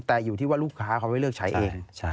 แต่อยู่ที่ว่าลูกค้าเขาไม่เลือกใช้เอง